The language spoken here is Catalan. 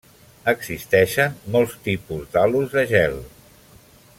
Existeixen molts tipus d'halos de gel.